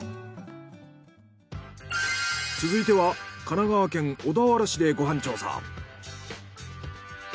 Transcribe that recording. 続いては神奈川県小田原市でご飯調査。